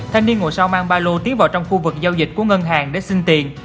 thanh niên ngồi sau mang ba lô tiến vào trong khu vực giao dịch của ngân hàng để xin tiền